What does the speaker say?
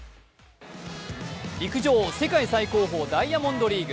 陸上世界最高峰ダイヤモンドリーグ。